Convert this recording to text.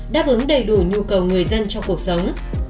đáp ứng đầy đủ nhu cầu người dân trong cuộc sống